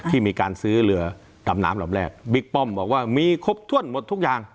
ที่มีการซื้อเรือดำน้ำลำแรกบิ๊กป้อมบอกว่ามีครบถ้วนหมดทุกอย่าง